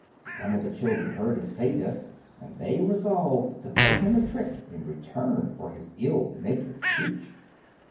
Some of the children heard him say this, and they resolved to play him a trick in return for his ill natured speech.